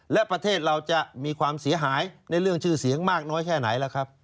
และประเทศเราจะมีความเสียหายในเรื่องชื่อเสียงมากน้อยแค่ไหนล่ะครับ